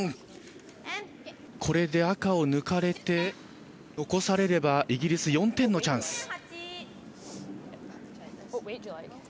これで赤を抜かれて起こされればイギリス、４点のチャンス。